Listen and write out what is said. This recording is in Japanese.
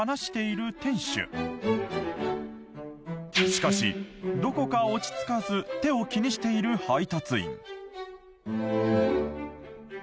しかしどこか落ち着かず手を気にしている配達員